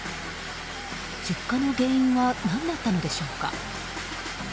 出火の原因は何だったのでしょうか。